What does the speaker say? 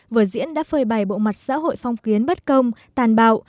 vở diễn đã phơi bày bộ mặt xã hội phong kiến bất công tàn bạo